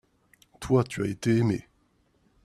toi, tu as été aimé.